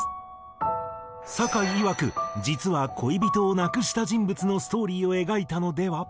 さかいいわく実は恋人を亡くした人物のストーリーを描いたのでは？